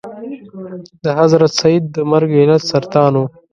د حضرت سید د مرګ علت سرطان و.